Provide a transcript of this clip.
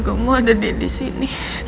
gue mau ada dia disini